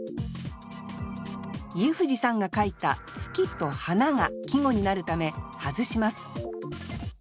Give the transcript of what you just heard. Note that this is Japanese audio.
家藤さんが書いた「月」と「花」が季語になるため外します